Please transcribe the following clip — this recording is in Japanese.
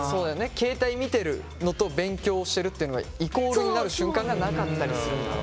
携帯見てるのと勉強してるっていうのがイコールになる瞬間がなかったりするんだろうね。